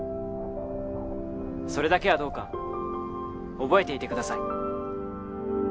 それだけはどうか覚えていてください